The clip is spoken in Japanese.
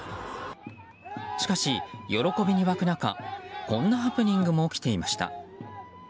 しかし喜びに沸く中こんなハプニングも起きていました。